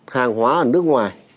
hàng hóa ở nước ngoài